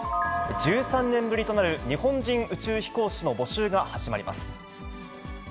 １３年ぶりとなる日本人宇宙飛行士の募集が始まります。